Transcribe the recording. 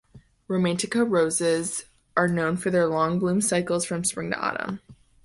Romantica roses are known for their long bloom cycles from spring to autumn.